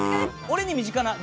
俺に身近な。